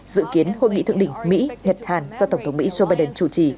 dự kiến hội nghị thượng đỉnh mỹ nhật hàn do tổng thống mỹ joe biden chủ trì